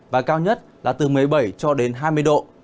và cao nhất là từ một mươi bảy cho đến hai mươi độ